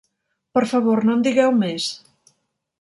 Per favor, no en digueu més.